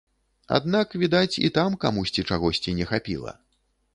Аднак, відаць, і там камусьці чагосьці не хапіла.